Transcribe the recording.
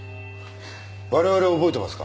我々を覚えてますか？